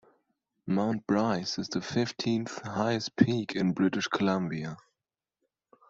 Mount Bryce is the fifteenth-highest peak in British Columbia.